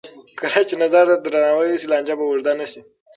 کله چې نظر ته درناوی وشي، لانجه به اوږده نه شي.